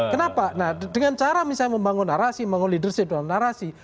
kenapa nah dengan cara misalnya membangun narasi mengolidership dalam narasi